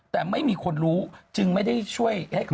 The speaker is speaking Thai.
แต่ไม่มีคนรู้จึงไม่ได้ช่วยให้เขา